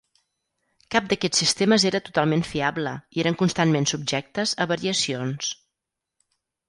Cap d'aquests sistemes era totalment fiable i eren constantment subjectes a variacions.